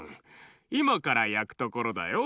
いまからやくところだよ。